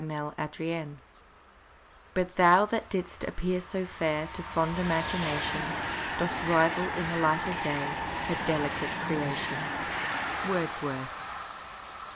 MY FIRSTBORN "But thou that didst appear so fair To fond imagination, Dost rival in the light of day, Her delicate creation!" WORDSWORTH.